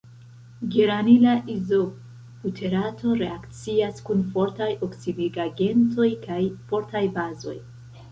Geranila izobuterato reakcias kun fortaj oksidigagentoj kaj fortaj bazoj.